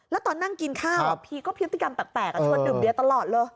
แล้วตอนนั่งกินข้าวพีก็พฤติกรรมแปลกชวนดื่มเบียตลอดเลย